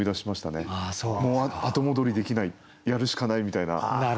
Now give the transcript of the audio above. もう後戻りできないやるしかないみたいな。